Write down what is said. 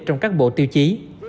trong các bộ tiêu chí